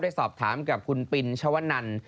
สอบถามกับคุณปินชวนัน